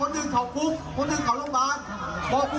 โอเคบอก